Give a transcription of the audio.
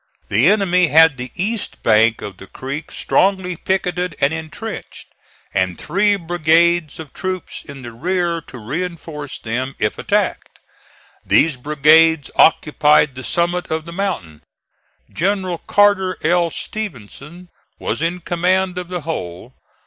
The enemy had the east bank of the creek strongly picketed and intrenched, and three brigades of troops in the rear to reinforce them if attacked. These brigades occupied the summit of the mountain. General Carter L. Stevenson was in command of the whole.